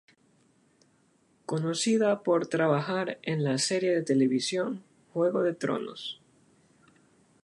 Conocida por trabajar en la serie de televisión "Juego de Tronos".